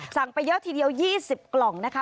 ไปเยอะทีเดียว๒๐กล่องนะคะ